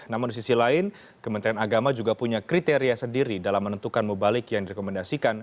namun di sisi lain kementerian agama juga punya kriteria sendiri dalam menentukan mubalik yang direkomendasikan